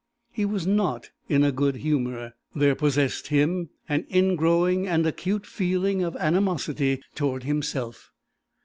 He was not in a good humour. There possessed him an ingrowing and acute feeling of animosity toward himself.